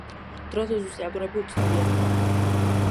დრო და ზუსტი ავტორები უცნობია.